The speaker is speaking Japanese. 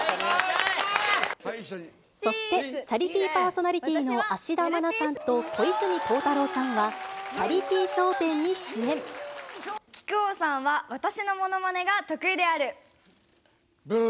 そして、チャリティーパーソナリティーの芦田愛菜さんと小泉孝太郎さんは、木久扇さんは私のものまねがぶー。